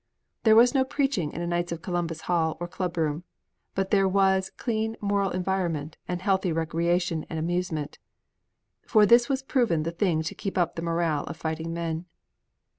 There was no preaching in a Knights of Columbus hall or club room, but there was clean moral environment and healthy recreation and amusement, for this was proven the thing to keep up the morale of fighting men.